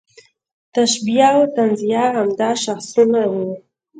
تشبیه او تنزیه عمده شاخصونه وو.